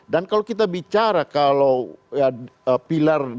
dan kalau kita bicara kalau pilar partai itu adalah pilar